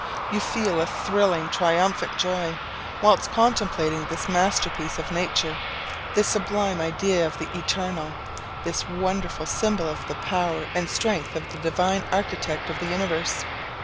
You feel a thrilling, triumphant joy, whilst contemplating this master piece of nature this sublime idea of the Eternal this wonderful symbol of the power and strength of the divine Architect of the universe.